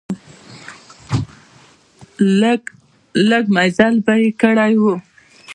لږ مزل به مې کړی و.